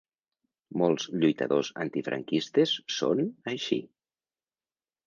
Molts lluitadors antifranquistes són així.